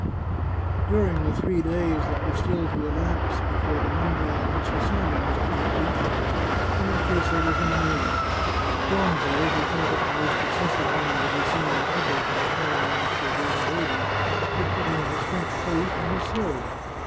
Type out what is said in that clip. During the three days that were still to elapse before the Monday on which the sermon was to be preached, the mar chesa was in an agony. Gonzo, who felt it the most exces sive honour to be seen in public in the following of so great a lady, had put on his French coat and his sword.